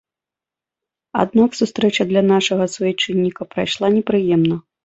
Аднак сустрэча для нашага суайчынніка прайшла непрыемна.